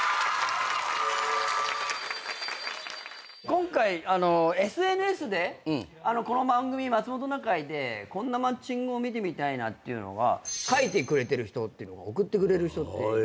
今回ＳＮＳでこの番組『まつもｔｏなかい』でこんなマッチングを見てみたいなっていうのが書いてくれてる人送ってくれる人が。